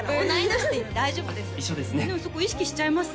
そこ意識しちゃいます？